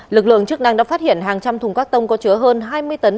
lực lượng chức năng đã phát hiện hàng trăm thùng các tông có chứa hơn hai mươi tấn